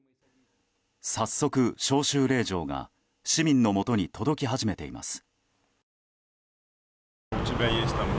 早速、召集令状が市民のもとに届き始めています。